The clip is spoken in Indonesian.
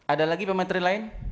ada lagi pemateri lain